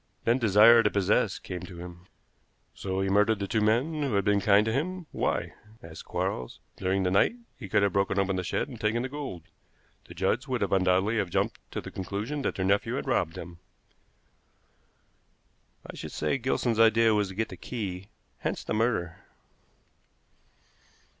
Then desire to possess came to him." "So he murdered the two men who had been kind to him. Why?" asked Quarles. "During the night he could have broken open the shed and taken the gold. The Judds would undoubtedly have jumped to the conclusion that their nephew had robbed them." "I should say Gilson's idea was to get the key, hence the murder."